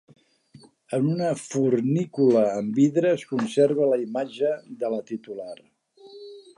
En una fornícula amb vidre es conserva la imatge de la titular.